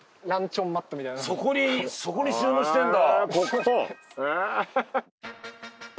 そこに収納してんだ。